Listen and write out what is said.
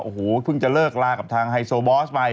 โอ้โหเพิ่งจะเลิกลากับทางไฮโซบอสไป